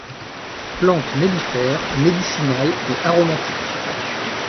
Plante mellifère, médicinale et aromatique.